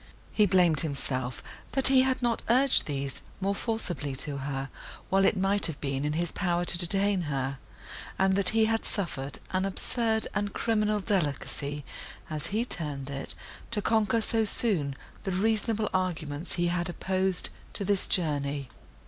He blamed himself, that he had not urged these more forcibly to her, while it might have been in his power to detain her, and that he had suffered an absurd and criminal delicacy, as he termed it, to conquer so soon the reasonable arguments he had opposed to this journey.